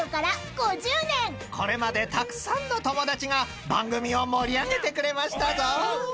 ［これまでたくさんの友達が番組を盛り上げてくれましたぞ］